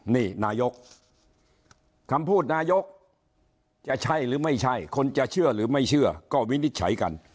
นี่นายกคำพูดนายกจะใช่หรือไม่ใช่คนจะเชื่อหรือไม่เชื่อก็วินิจฉัยกัน